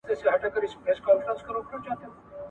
ملګرو لار بدله کړی کاروان په باورنه دی ..